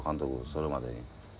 それまでに。